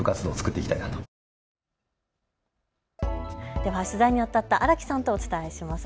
では取材にあたった荒木さんとお伝えします。